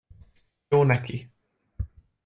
Jó neki.